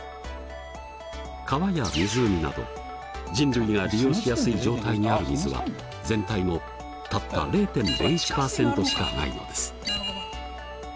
川や湖など人類が利用しやすい状態にある水は全体のたった０．０１％しかないのです。